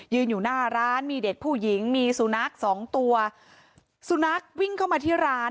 อยู่หน้าร้านมีเด็กผู้หญิงมีสุนัขสองตัวสุนัขวิ่งเข้ามาที่ร้าน